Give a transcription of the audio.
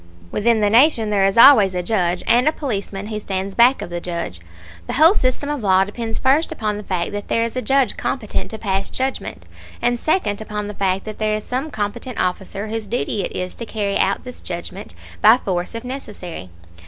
Within the nation there is always a judge, and a policeman who stands back of the judge. The whole system of law depends first upon the fact that there is a judge competent to pass judgment, and second upon the fact that there is some competent officer whose duty it is to carry out this judgment, by force if necessary.